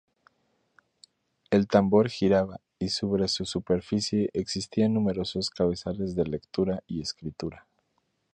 El tambor giraba y sobre su superficie existían numerosos cabezales de lectura y escritura.